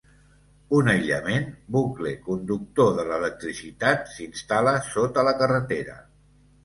Un aïllament, bucle conductor de l'electricitat s'instal·la sota la carretera.